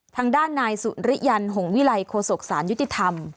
ทางด้านนายสุริยันหงวิลัยโคศกสารยุติธรรม